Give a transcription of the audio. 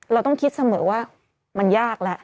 เราต้องคิดเสมอว่ามันยากแล้ว